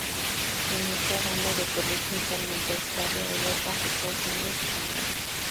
Con esta banda recorrió triunfalmente Australia, Europa, Estados Unidos y Canadá.